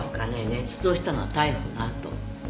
ねつ造したのは逮捕のあと。